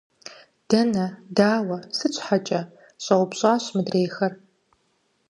- Дэнэ? Дауэ? Сыт щхьэкӀэ? – щӀэупщӀащ мыдрейхэр.